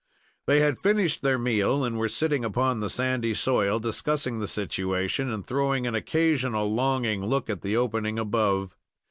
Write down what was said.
They had finished their meal, and were sitting upon the sandy soil, discussing the situation and throwing an occasional longing look at the opening above.